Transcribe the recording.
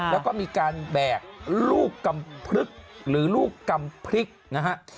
แล้วก็มีการแบกลูกกำพลึกหรือลูกกำพริกนะฮะ